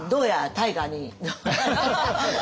大河に。